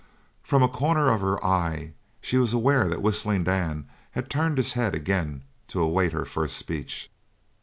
From a corner of her eye she was aware that Whistling Dan had turned his head again to await her first speech.